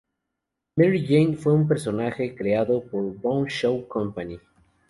Mary Jane fue un personaje creado por Brown Shoe Company.